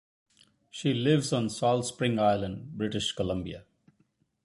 She lives on Salt Spring Island, British Columbia.